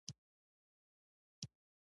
دا هسې پروپاګند دی.